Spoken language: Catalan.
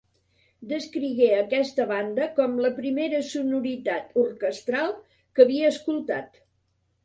Descrigué aquesta banda com la primera sonoritat orquestral que havia escoltat.